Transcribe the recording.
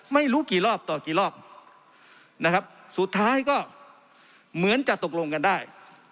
ไม่รู้กี่รอบต่อกี่รอบนะครับสุดท้ายก็เหมือนจะตกลงกันได้